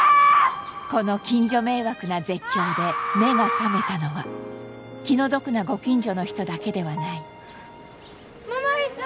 この近所迷惑な絶叫で目が覚めたのは気の毒なご近所の人だけではない桃井蕾